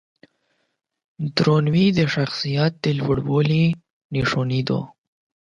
درناوی د شخصیت د لوړوالي نښه ده.